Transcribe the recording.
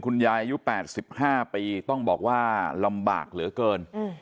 คุณยายอายุแปดสิบห้าปีต้องบอกว่าลำบากเหลือเกิน